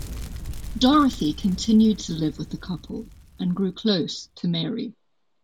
Dorothy continued to live with the couple and grew close to Mary.